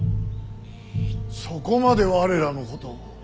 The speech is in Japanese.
そこまで我らのことを。